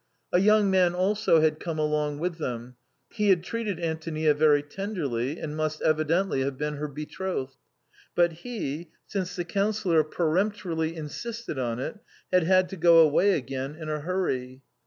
A young man also had come along with them ; he had treated Antonia very tenderly, and must evidently have been her betrothed. But he, since the Councillor peremptorily insisted on it, had had to go away again in a hurry.